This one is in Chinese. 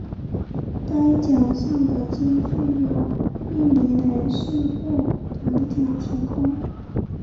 该奖项的经费由匿名人士或团体提供。